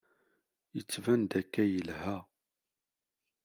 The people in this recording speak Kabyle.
Yettban-d akka yelha.